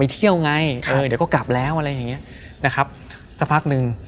เที่ยวไงเออเดี๋ยวก็กลับแล้วอะไรอย่างเงี้ยนะครับสักพักหนึ่ง